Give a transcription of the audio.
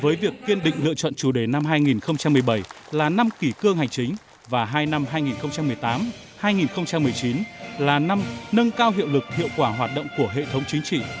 với việc kiên định lựa chọn chủ đề năm hai nghìn một mươi bảy là năm kỷ cương hành chính và hai năm hai nghìn một mươi tám hai nghìn một mươi chín là năm nâng cao hiệu lực hiệu quả hoạt động của hệ thống chính trị